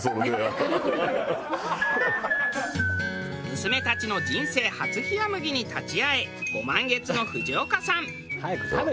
娘たちの人生初冷麦に立ち会えご満悦の藤岡さん。